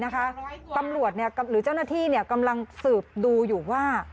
ตำรวจหรือเจ้าหน้าที่กำลังสืบดูอยู่ว่า